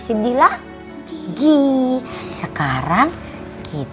ya paling sekali